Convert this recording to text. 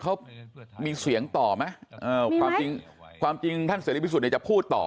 เขามีเสียงต่อไหมเอ่อมีไหมความจริงความจริงท่านเสรียริปริสุทธิ์เนี่ยจะพูดต่อ